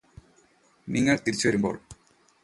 നിങ്ങള് തിരിച്ചുവരുമ്പോള്